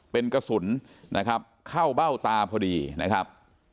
เป็นกระสุนนะครับเข้าเบ้าตาพอดีนะครับ